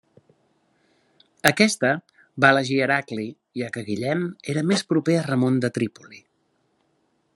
Aquesta va elegir Heracli, ja que Guillem era més proper a Ramon de Trípoli.